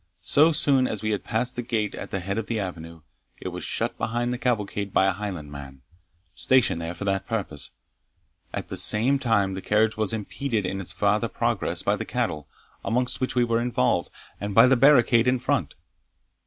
So soon as we had passed the gate at the head of the avenue, it was shut behind the cavalcade by a Highland man, stationed there for that purpose. At the same time the carriage was impeded in its farther progress by the cattle, amongst which we were involved, and by the barricade in front.